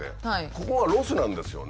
ここがロスなんですよね。